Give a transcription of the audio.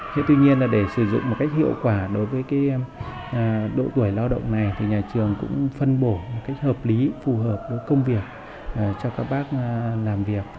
thế tuy nhiên là để sử dụng một cách hiệu quả đối với cái độ tuổi lao động này thì nhà trường cũng phân bổ một cách hợp lý phù hợp với công việc cho các bác làm việc